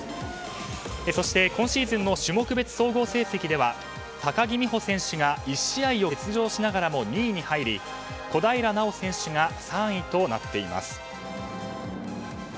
そして、今シーズンの種目別総合成績では高木美帆選手が１試合を欠場しながらも２位に入り、小平奈緒選手が３位となっています。